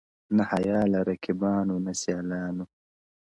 نه حیا له رقیبانو نه سیالانو؛